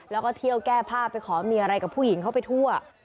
แล้วก็เที่ยวแก้ผ้าไปขอมีอะไรกับผู้หญิงเข้าไปทั่ว